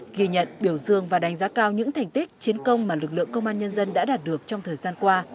ghi nhận biểu dương và đánh giá cao những thành tích chiến công mà lực lượng công an nhân dân đã đạt được trong thời gian qua